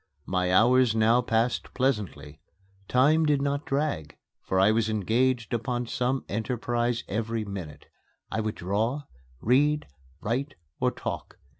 My hours now passed pleasantly. Time did not drag, for I was engaged upon some enterprise every minute. I would draw, read, write, or talk.